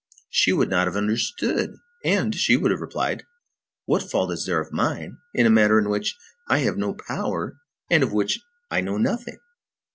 She would not have understood, and she would have replied: "What fault is there of mine in a matter in which I have no power and of which I know nothing?"